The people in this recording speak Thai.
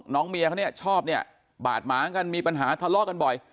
เมียเขาเนี่ยชอบเนี่ยบาดหมางกันมีปัญหาทะเลาะกันบ่อย